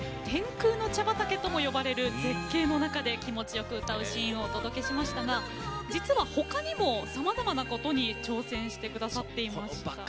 天空の茶畑とも呼ばれる絶景の中で気持ちよく歌うシーンをお届けしましたが実は、ほかにもさまざまなことに挑戦されていました。